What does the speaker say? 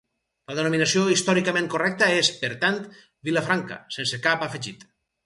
La denominació històricament correcta és, per tant, Vilafranca, sense cap afegit.